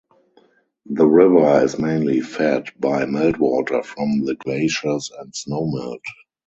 The river is mainly fed by meltwater from the glaciers and snowmelt.